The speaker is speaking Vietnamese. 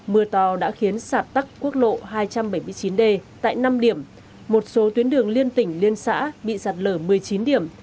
mưa to đã khiến sạt tắc quốc lộ hai trăm bảy mươi chín d tại năm điểm một số tuyến đường liên tỉnh liên xã bị sạt lở một mươi chín điểm